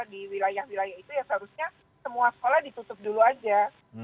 seharusnya semua sekolah ditutup dulu saja